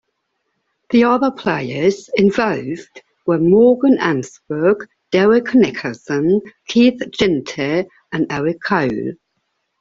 The other players involved were Morgan Ensberg, Derrek Nicholson, Keith Ginter, and Eric Cole.